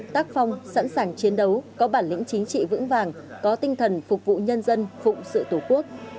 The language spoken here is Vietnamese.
tác phong sẵn sàng chiến đấu có bản lĩnh chính trị vững vàng có tinh thần phục vụ nhân dân phụng sự tổ quốc